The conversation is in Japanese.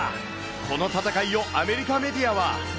この戦いをアメリカメディアは。